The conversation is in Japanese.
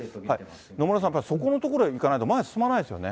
野村さん、やっぱりこれ、そこのところへ行かないと前へ進まないですよね。